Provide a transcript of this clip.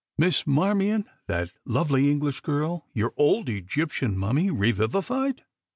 "Miss Marmion, that lovely English girl, your old Egyptian Mummy re vivified!